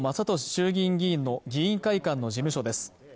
衆議院議員の議員会館の事務所です